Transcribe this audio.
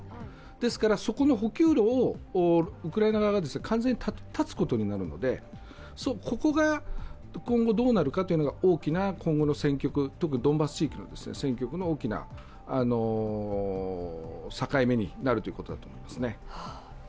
ですから、そこの補給路をウクライナ側が完全にたつことになるのでここが、今後どうなるのかが、大きな特にドンバス地域の戦局の大きな境目になるということだと思います。